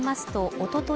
おととい